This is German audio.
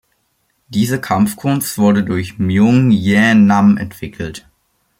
Diese Kampfkunst wurde durch Myung Jae-nam entwickelt.